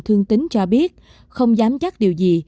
thương tính cho biết không dám chắc điều gì